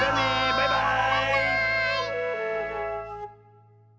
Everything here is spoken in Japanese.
バイバーイ！